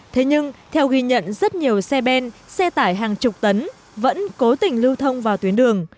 thế nhưng theo ghi nhận rất nhiều xe ben xe tải hàng chục tấn vẫn cố tình lưu thông vào tuyến đường